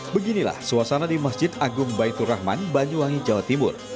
beginilah suasana di masjid agung baitur rahman banyuwangi jawa timur